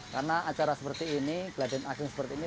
karena acara seperti ini gladian ageng seperti ini